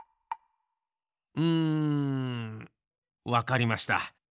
うんわかりました。